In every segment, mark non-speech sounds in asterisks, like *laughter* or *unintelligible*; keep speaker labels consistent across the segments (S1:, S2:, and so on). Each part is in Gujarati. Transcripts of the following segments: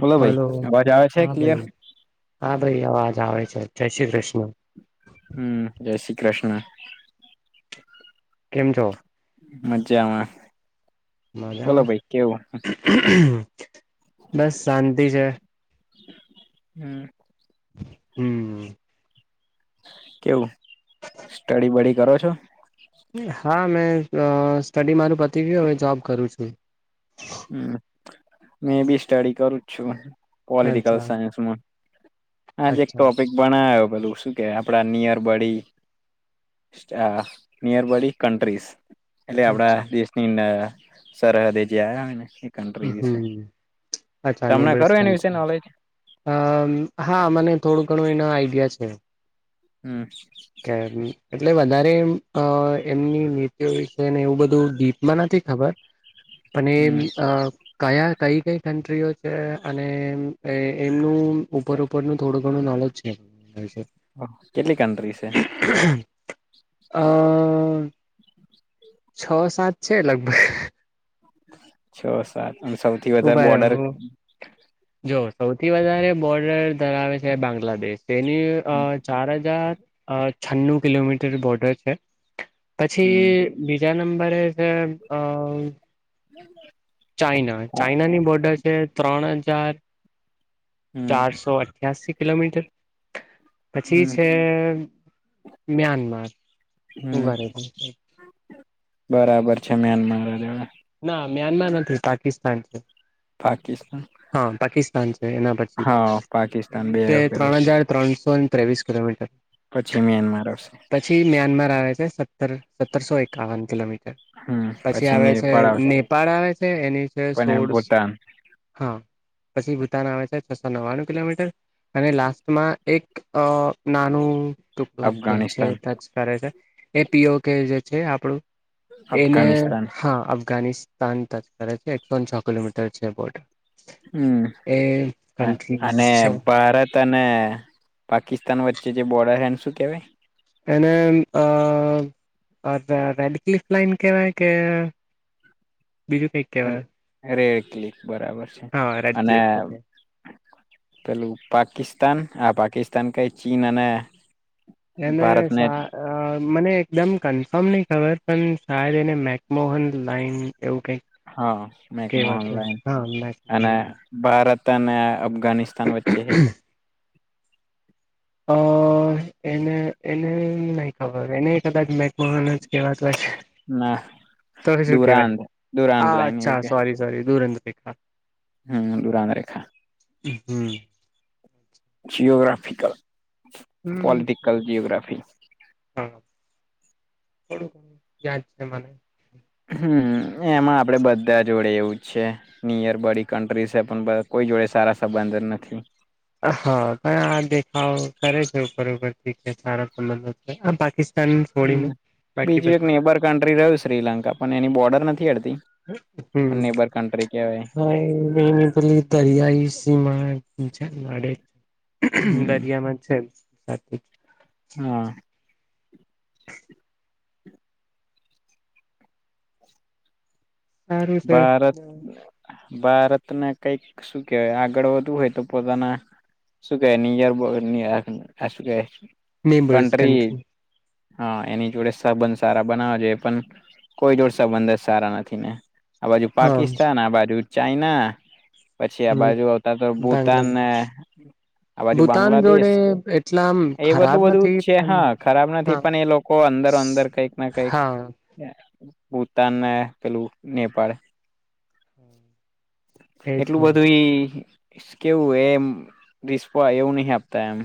S1: બોલો ભાઈ
S2: હલો,
S1: અવાજ આવે છે
S2: હા
S1: ક્લિયર
S2: ભાઈ, હા ભાઈ અવાજ આવે છે, જય શ્રી કૃષ્ણ.
S1: હમ્મ જય શ્રી કૃષ્ણ.
S2: કેમ છો?
S1: મજમાં.
S2: મજામાં? બસ શાંતિ છે.
S1: હમ્મ
S2: હમ્મ
S1: કેવું સ્ટડી બડી કરો છો?
S2: હા મેં સ્ટડી મારું પતિ ગયું, હવે જોબ કરું છું.
S1: હમ્મ મે બી સ્ટડી કરું જ છું. કોલિટિકલ
S2: અચ્છા
S1: સાયન્સમાં, આજે એક
S2: અચ્છા
S1: ટોપિક બનાયો પેલું શું કે આપણા નિયર બડી. અ નિયરબડી કન્ટ્રીસ. એટલે આપડા
S2: અચ્છા
S1: દેશની ન સરહદે જે આયા હોયને કન્ટ્રી વિશે,
S2: હમ
S1: તમને કરું એની વિશે નોલેજ?
S2: હમ હા મને થોડું ઘણું એના આઈડિયા છે.
S1: હમ્મ
S2: કર્વી એટલે વધારે અ એમની નીત વિશે ને એવું બધું ડીપમાં નથી ખબર.
S1: *inaudible*
S2: અને
S1: હમ
S2: અ કયા કઈ કઈ કન્ટ્રીઓ છે અને એમનું ઉપર નું થોડું ઘણું નોલોજ છે.
S1: ઓ કેટલી કન્ટ્રી છે.
S2: અ છ સાત છે લગભગ.
S1: છ સાત અને સૌથી વધારે
S2: ઉભા
S1: બોર્ડર
S2: રૅવ જો સૌથી વધારે બોર્ડર ધરાવે છે બાંગ્લાદેશ. તેની
S1: હમ
S2: ચાર હજાર છન્નું કિલોમીટર બોર્ડર છે. પછી
S1: હમ
S2: બીજા નંબરે છે અ
S1: *inaudible*
S2: ચાઈના ચાઈના ની બોર્ડર છે ત્રણ હજાર
S1: હમ
S2: ચારસો અઠ્યાસી કિલોમીટર પછી
S1: હમ
S2: છે મ્યાનમાર
S1: હમ
S2: *unintelligible*
S1: બરાબર છે મ્યાનમાર *unintelligible*
S2: ના મ્યાનમાર નથી પાકિસ્તાન છે.
S1: પાકિસ્તાન
S2: હા પાકિસ્તાન છે એના પછી
S1: હા પાકિસ્તાન
S2: એની
S1: બે
S2: છે
S1: આવ પેલું
S2: ત્રણ હજાર ત્રણસો ત્રેવીસ કિલોમીટર
S1: પછી મ્યાનમાર આવશે.
S2: પછી મ્યાનમાર આવે છે સત્તર સત્તરસો એકાવન કિલોમીટર.
S1: હમ્મ પછી
S2: આવે છે
S1: આવે
S2: નેપાળ આવે છે એની છે
S1: પણ
S2: સોળ
S1: ભૂટાન
S2: હા પછી ભૂતાન આવે છે છસો નવ્વાણું કિલોમીટર. અને લાસ્ટમાં એક અ નાનું ટુકડું જે છે
S1: અફઘાનિસ્તાન
S2: ટચ કરે છે એ પીઓ કે જે છે આપણું એને
S1: અફઘાનિસ્તાન
S2: હા અફઘાનિસ્તાન ટચ કરે છે એકસોને છ કિલોમીટર છે બોર્ડર
S1: હમ્મ
S2: એ
S1: અને
S2: કન્ટ્રીઝ છે
S1: ભારત ને પાકિસ્તાન વચ્ચે જે બોર્ડર હ એને શું કેહેવાય
S2: એને અ રેડ કલીફ લાઇન કેવાય કે બીજું કઈક કેવાય
S1: રેડ ક્લિક બરાબર છે
S2: હા રેડ
S1: અને
S2: ક્લિફ ઓકે
S1: પેલું પાકિસ્તાન આ પાકિસ્તાન કઈ ચીન અને
S2: એને
S1: ભારતને
S2: સા અ મને એકદમ કન્ફર્મ નહી ખબર પણ શાયદ એને મેકમોહન લાઈન એવું કંઈક
S1: હા મેક મોહન લાઇન અને
S2: મેકમોહન
S1: ભારત અને અફઘાનિસ્તાન વચ્ચે ની
S2: અ એને એને નહી ખબર એને કદાચ મેકમા જ કેવાત હોય છે.
S1: ના
S2: તો શું કેવાય
S1: ડુરાંધ
S2: હ
S1: ડુરાંધ લાઈન એવું
S2: અચ્છા સોરી સોરી *unintelligible*
S1: હમ્મ દુરાંધ રેખા
S2: હમ્મ.
S1: જયો્યોગ્રાફિકલ
S2: હમ
S1: પોૉલિટિકલ જ્યોગ્રાફી
S2: હા થોડું ઘણું યાદ છે મને
S1: હમ્મ એમાં આપડે બધા જોડે એવું જ છે. નિયર બડી કન્ટ્રી છે પણ કોઈ જોડે સારા સંબંધ નથી.
S2: હા પણ આ દેખાવ કરે છે ઉપર ઉપરથી કે સારા સંબંધો છે આ પાકિસ્તાન
S1: હમ્મ
S2: છોડીને બાકી
S1: બીજું એક
S2: બધા
S1: નેબર કન્ટ્રી રહ્યું શ્રીલંકા પણ એની બોર્ડર નથી હડતી.
S2: *inaudible*
S1: નેબર કન્ટ્રી કેવાય.
S2: *inaudible* *inaudible* દરિયાઈ સીમા મળે,
S1: હમ
S2: દરિયામાં જ છે સાથે જ
S1: હા,
S2: સારું છે
S1: ભારત ભારતને કઈક શું કેહેવાય આગળ વધવું હોય, તો પોતાના શું કેવાય *inaudible* શું કેવાય કન્ટ્રી હા, એની જોડે સબંધ સારા બનાવા જોએ પણ કોઈ જોડ સંબંધર સારા નથી ને આ બાજુ
S2: હા
S1: પાકિસ્તાન આ બાજુ ચાઈના પછી આ બાજુ આવતા તો ભૂતાન ને
S2: બાંગ્લાદેશ
S1: આ બાજુ
S2: ભૂતાન જોડે
S1: બાંગ્લાદેશ
S2: એટલા આમ
S1: એ
S2: ખરાબ
S1: બધલું બધું જ
S2: નથી
S1: છે,
S2: પણ
S1: હા ખરાબ
S2: હા
S1: નથી પણ એ લોકો અંદર અંદર કઈક ના કંઈક
S2: હા
S1: ભૂતાન ને પેલું નેપાળ
S2: *inaudible* એજ
S1: એટલું
S2: ને
S1: બધું ઈ કેવું એ રિસ્પો એવું નહ આપતા એમ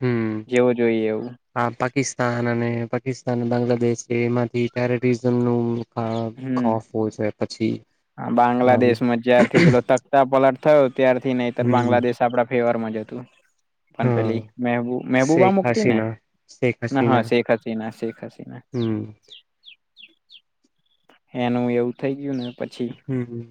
S2: હમ
S1: જેવું જોઈએ એવું.
S2: આ પાકિસ્તાન અને પાકિસ્તાન બાંગ્લાદેશ છે, એમાંથી ટેરેરિઝમ નું આ
S1: હમ
S2: ખોફ હો જોઈએ પછી આ
S1: સતા પલટ થયો ત્યારથી નહીતર બાંગ્લાદેશ આપડા ફેવર માં જ હતું. પણ
S2: હા
S1: પેલી મેબુ મહેબૂબા
S2: શેખ
S1: મુક્તી ને?
S2: હસીના શેખ
S1: ના હા
S2: હસીના
S1: શેખ હસીના શેખ હસીના,
S2: હમ
S1: એનું એવું થઈ ગયું ને પછી,
S2: હમ્મ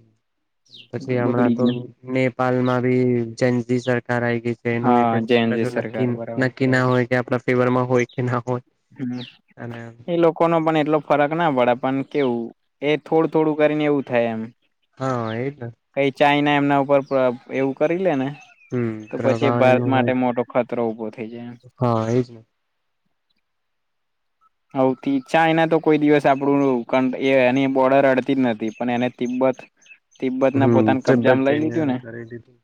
S2: પછી હમણાં
S1: બગડી
S2: તો
S1: ગયું
S2: *inaudible* નેપાલ માં બી જનજી સરકાર આવી ગઈ છે, એનું ક
S1: હા જેન જે સરકાર બરાબર
S2: નક્કી કે ના હોય, કે આપણા ફીવર માં હોય કે ના હોય
S1: હમ્મ
S2: અને
S1: એ લોકો નો પણ એટલો ફરક ના પડે પણ કેવું એ થોડું થોડું કરીને એવું થાય, એમ
S2: હા એજ ને
S1: કઈ ચાઈ ના એમના ઉપર એવું કરી લે ને,
S2: હમ
S1: તો પછી
S2: પ્રભાવ
S1: ભારત
S2: એનું
S1: માટે
S2: હોય
S1: મોટો ખતરો ઉભો થઇ જાય.
S2: હા, એ જ ને
S1: હ ઈછા એના તો કોઈ દિવસ આપણું એ એની બોર્ડર અડતી જ નથી, પણ એને તિબ્બત તિબ્બતને
S2: હમ
S1: પોતાને કબજામાં
S2: તબત
S1: લઈ
S2: એને
S1: લીધું ને,
S2: કરી દીધું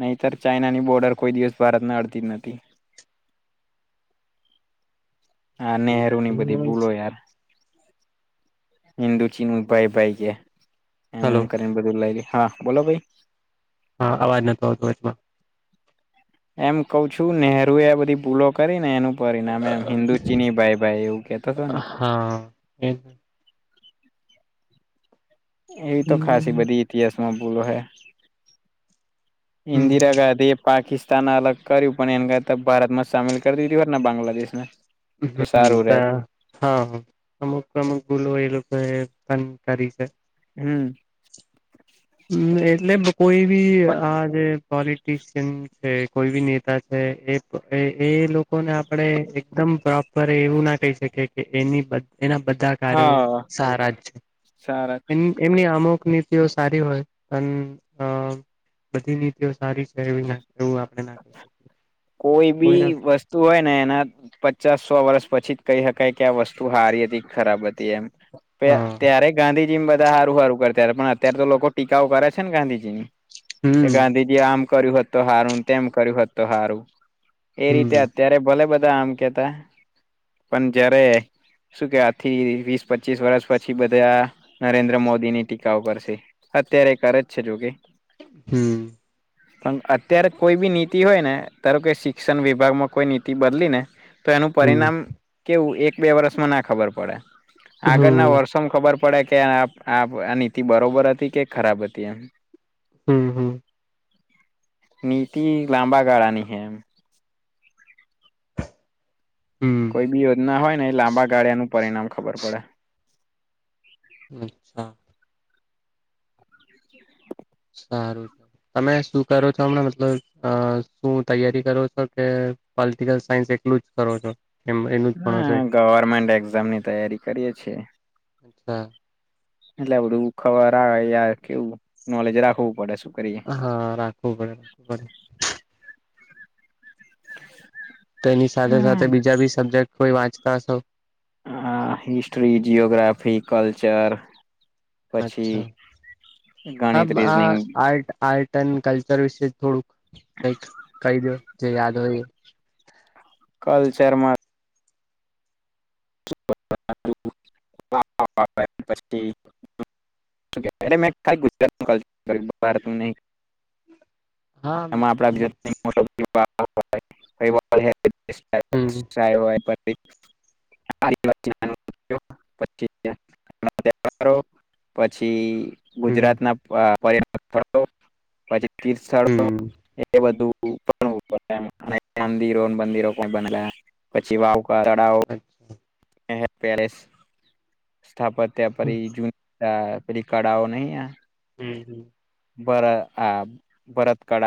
S1: નહીતર ચાાઈનાની બોર્ડર કોઈ દિવસ ભારતને અડતી જ નથી. હા, નહેરુ ની બધી ભૂલો, યાર હિન્ંદુ ચિનનું ભાઈ ભાઈ *inaudible*
S2: હાલો
S1: *inaudible* હા બોલો ભાઈ
S2: હા, અવાજ નતો આવતો એચમાં
S1: એમ કઉ છું, નેહરુ એ આ બધી ભૂલો કરી ને એનું પરિણામ એમ હિન્દુ ચીની ભાઈ ભાઈ એવું કેતો હતો ને,
S2: હા એ
S1: એવી તો ખાસી
S2: હમ
S1: બધી ઇતિહાસ માં ભૂલો હે,
S2: હમ
S1: ઇન્દિરા ગાંધી પાકિસ્તાન અલગ કર્યું પણ એને કતા ભારત માં સામેલ કરી દીધી હોય ને બાંગ્લાદેશને તો
S2: હમ
S1: સારું રહે,
S2: તા હા, અમુક અમુક ભૂલો એ લોકો એ પણ કરી છે.
S1: હમ્મ
S2: હમ્મ એટલે કોઈ બી
S1: પણ
S2: આજે પોલિટશિયન છે, કોઈ બી નેતા છે એ એ લોકોને આપણે એકદમ પ્રોપરે એવું ના કહી શકીએ, કે એ એના બધા સારૂ
S1: હા
S2: સારા છે,
S1: સારા
S2: એ એમની અમુક નીતિઓ સારી હોય અને અ બધી નીતિઓ સારી છે, એવી એવું આપડણે ના ક શકીએ
S1: કોઈ બી
S2: કોઈને
S1: વસ્તુ તું હોય ને એના પચાસ સો વર્ષ પછી જ કહી શકાય કે આ વસ્તુ હારી હતી ખરાબ હતી એમ
S2: હા
S1: ત્યારે ગાંધી બધા સારું સારું કરતા પણ અત્યારેાર તો લોકો ટીકાઓ કરે છે, ને ગાંધીજી ની કે
S2: હમ
S1: ગાંધીજી કે આમ કર્યું હત તો હારું તેમ કર્યું હત તો સારું એ
S2: હમ
S1: રીતે અત્યારે ભલે બધા આમ કેતા પણ જયારે શું કે આથી વીસ પચીસ વર્ષ પછી બધા નરેન્દ્ર મોદીની ટીકાઓ કરશે અત્યારે કર જ છે, જો કે
S2: હમ
S1: પણ અત્યારે કોઈ બી નીતિ હોય ને ધારું કે શિક્ષણ વિભાગમાં કોઈ નીતિ બદલી ને તો એનું
S2: હમ
S1: પરિણામ કેવું એક બે વર્ષમાં ના ખબર પડે આગળના
S2: હમ
S1: વર્ષોમાં ખબર પડ પડે કે આ નીતિ બરોબર હતી કે ખરાબ હતી એમ
S2: હમ હમ
S1: નીતિ લાંબા ગાળાની હે એમ
S2: હમ
S1: કોઈ બી યોજના હોય ને એ લાંબા ગાળિયાનું પરિણામ ખબર પડે
S2: અચ્છા સારું છે, તમે શું કરો છો હમણાં મતલબ અ શું તૈયારી કરો છો કે પોલિટિકલ સાયન્સ એલું જ કરો છો. એમ એનું જ
S1: હ
S2: ભણો છો
S1: ગવર્મેન્ટ એક્ઝામ ની તૈયારી કરીએ છીએ.
S2: અચ્છા.
S1: એટલે આપડું ખબર આવે યાર કેવું નોલેજ રાખવું પડે શું કરીએ.
S2: હા રાખવું પડે રાખવું પડે. તો એની સાથે સાથે બીજા બી સબ્જેક્ટ કોઈ વાંચતા હશો.
S1: હ હિસ્ટ્રી જિઓગ્રાફી કલ્ચર. પછી
S2: અચ્છા
S1: ગણિત
S2: હબ આ
S1: રીઝનિંગ
S2: આટ આર્ટ. ન કલ્ચર વિશે થોડુંક કઈક કહી દો જે યાદ હોય એ
S1: કલ્ચરમાં પસ્ટી મેા ગુજરાત ન ક ભારત નહી.
S2: હા
S1: એમાં આપડા *unintelligible*
S2: હમ.
S1: ચાય હોય પી *unintelligible*
S2: હમ
S1: ગુજરાત ના પર્યટન સ્થળો પછી તીર્થ સ્થળો.
S2: હમ
S1: એ બધું પણુંડ મંદિરો મંદિરો કો બનેલા પછી વાવકા તળાવ
S2: અચ્છા.
S1: પેલેસ સ્થાપત્યા પ
S2: હમ
S1: જ અ પેરી કડાઓ નહી
S2: હમ હમ.
S1: બરા આ ભરત કળ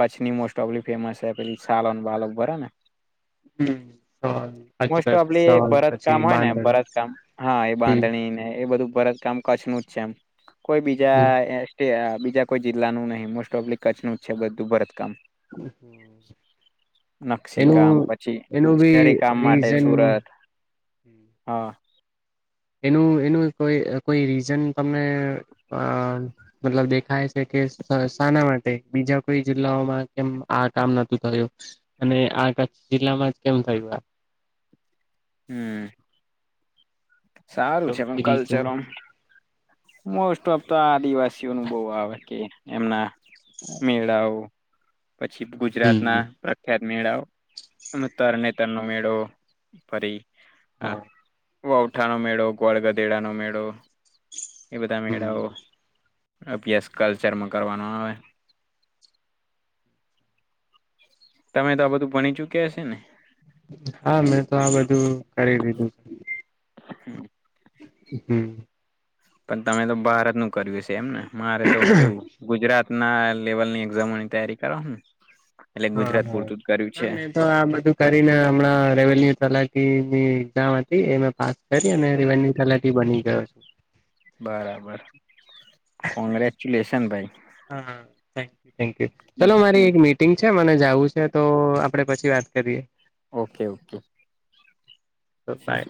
S1: કચછની મોસ્ટ ઓફલી ફેમસ છે, પછી સાલન બાલક બરા ને
S2: હમ સ.
S1: મોસ્ટ ઓફ આપ ભરત કામ હોય ને ભરત કામ હા એ
S2: હમ
S1: બાંધણીને એ બધું ભરત કેમ કચ્છ નું જ છે, એમ કોઈ બીજા
S2: હમ
S1: બીજા કોઈ જિલ્લાનું નહીિ મોસ્ટ ઓફ કચ્છ નું જ છે, બધું ભરતકામ
S2: *inaudible*
S1: નકશી
S2: એનું
S1: કામ પછી
S2: એનું બી
S1: જરી કામ માટે
S2: રીઝન
S1: સુરત હા
S2: એનું એનું કોઈ કોઈ રીઝન તમને અ મતલબ દેખાય છે કે શાના માટે બીજા કોઈ જિલ્લાઓમાં કેમ આ કામ નતું થયું. અને આ કચ્છ જિલ્લામાં જ કેમ થયું આ
S1: હમ્મ સારું
S2: આ
S1: છે અમ
S2: કોઈ રીઝન
S1: કલ્ચર એમ મોસ્ટ ઓફ તો આદિવાસીઓ નો બહ આવે કે એમના
S2: *inaudible*
S1: મેળાઓ પછી ગુજરાત ના
S2: હમ
S1: પ્રખ્યાત મેળા તરને તર નો મેળો ફરી હા વૌઠા નો મેળો ગોળ ગધેડા નો મેળો એ બધા
S2: હમ
S1: મેળાઓ અભ્યાસ કલ્ચરમાં કરવાનો આવે. તમે તો આ બધું ભણી ચુક્યા હશે ને.
S2: હા મેં તો આ બધું કરી દીધું છે. હમ્મ
S1: પણ તમે તો ભારત નું કર્યું છે એમ ને મારે તો કેવું. ગુજરાત ના લેવલની એક્ઝામોની તૈયારી કરોને એટલે
S2: હા
S1: ગુજરાત
S2: હા
S1: પૂરતું જ કર્યું
S2: હા
S1: છે.
S2: મેં તો આ બધું કરીને હમણાં રેવન્યુ તલાટી ની એક્ઝામ હતી એમે પાસ કરીએ ને રવેન્યક તલાઠી બની ગયો છ
S1: બરાબર કોંગ્રેચ્યુલેશન ભાઈ
S2: હા થેન્ક યુ થેન્ક યુ ચલો મારી એક મીટિ ટિંગ છે મને જવું છે તો આપડે પછી વાત કરીએ
S1: ઓકે ઓકે
S2: તો બાય